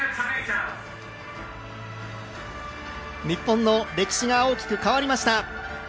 日本の歴史が大きく変わりました。